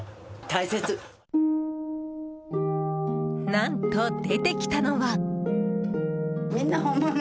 何と、出てきたのは。